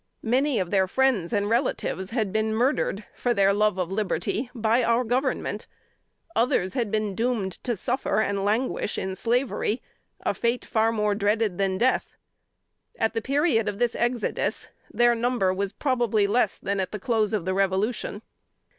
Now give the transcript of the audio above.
Many of their friends and relatives had been murdered for their love of liberty by our Government; others had been doomed to suffer and languish in slavery a fate far more dreaded than death. At the period of this exodus, their number was probably less than at the close of the Revolution.